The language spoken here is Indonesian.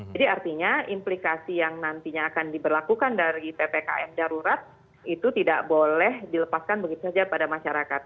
jadi artinya implikasi yang nantinya akan diberlakukan dari ppkm darurat itu tidak boleh dilepaskan begitu saja pada masyarakat